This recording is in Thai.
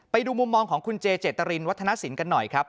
ไปดูมุมมองของคุณเจเจตรินวัฒนสินกันหน่อยครับ